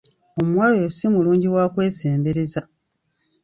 Omuwala oyo si mulungi wakwesembereza.